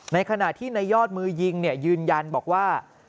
ในขณะที่ในยอดมือยิงยืนยันบอกว่า